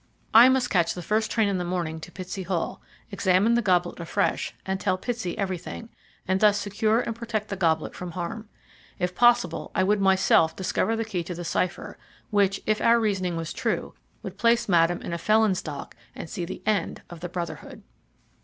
I must catch the first train in the morning to Pitsey Hall, examine the goblet afresh, and tell Pitsey everything, and thus secure and protect the goblet from harm. If possible, I would myself discover the key to the cipher, which, if our reasoning was true, would place Madame in a felon's dock and see the end of the Brotherhood.